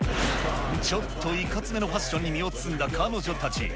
ちょっといかつめのファッションに身を包んだ彼女たち。